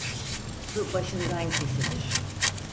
Su başından kesilir.